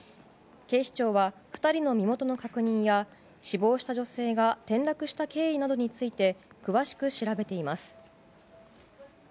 警視庁は２人の身元の確認や死亡した女性が転落した経緯などについて詳しく調べています。